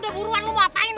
udah buruan lo mau apain